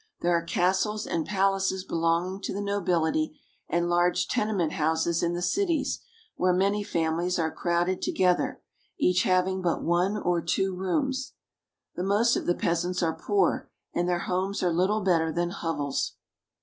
There are castles and palaces belonging to the nobility, and large tenement houses in the cities, where many fami lies are crowded together, each having but one or two rooms. The most of the peasants are poor and their homes are little better than hovels.